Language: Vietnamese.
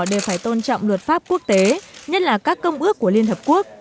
đều phải tôn trọng luật pháp quốc tế nhất là các công ước của liên hợp quốc